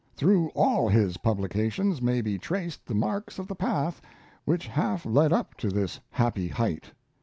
Through all his publications may be traced the marks of the path which half led up to this happy height.